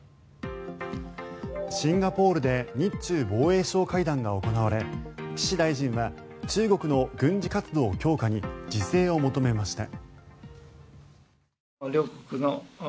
シンガポールで日中防衛相会談が行われ岸大臣は中国の軍事活動強化に自制を求めました。